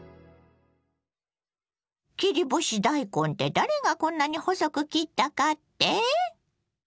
切り干し大根って誰がこんなに細く切ったかって？